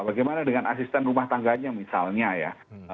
bagaimana dengan asisten rumah tangganya misalnya ya